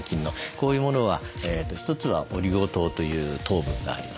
こういうものは一つはオリゴ糖という糖分があります。